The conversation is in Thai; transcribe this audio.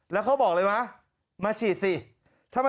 วัววัวเป็นเชิญชมครับ